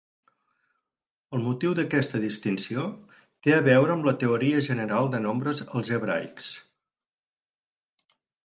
El motiu d'aquesta distinció té a veure amb la teoria general de nombres algebraics.